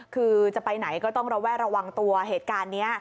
คือจะไปไหนก็ต้องระแวดระวังตัวเหตุการณ์นี้